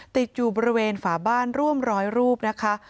ติดอยู่บริเวณฝาบ้านร่วมร้อยรูปนะคะ